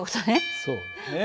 そうだね。